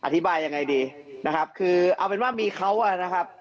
อธิบายยังไงดีนะครับคือเอาเป็นว่ามีเขาอ่ะนะครับ